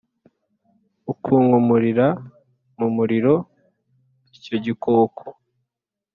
akunkumurira mu muriro icyo gikoko